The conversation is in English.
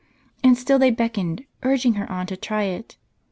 And still they beckoned, urging her on to try it.